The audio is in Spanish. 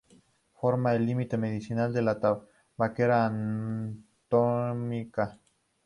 Forma el límite medial de la tabaquera anatómica.